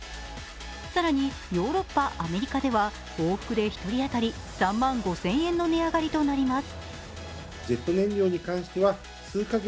更に、ヨーロッパ、アメリカでは往復で１人当たり３万５０００円の値上がりとなります。